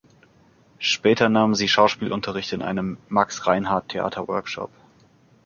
Später nahm sie Schauspielunterricht in einem Max-Reinhardt-Theaterworkshop.